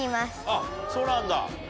あっそうなんだ。